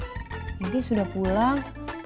jadi sudah pulang